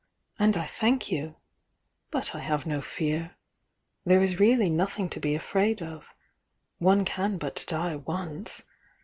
"And I thank you ! But I have no fear. There is really nothing to be afraid of, — one can but die once.